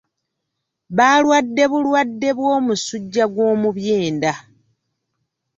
Baalwadde bulwadde bw'omusujja gw'omubyenda.